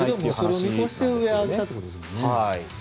それを見越して上に上げたということですもんね。